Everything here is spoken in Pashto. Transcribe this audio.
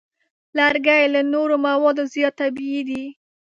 لرګی له نورو موادو زیات طبیعي دی.